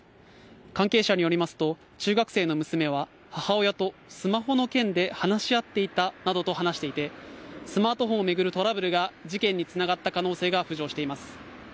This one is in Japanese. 関係者によりますと中学生の娘は母親とスマホの件で話し合っていたなどと話していてスマートフォンを巡るトラブルが事件につながった可能性が浮上しています。